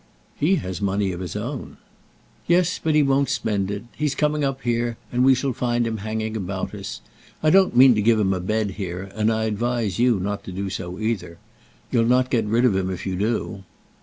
"He has money of his own." "Yes, but he won't spend it. He's coming up here, and we shall find him hanging about us. I don't mean to give him a bed here, and I advise you not to do so either. You'll not get rid of him if you do."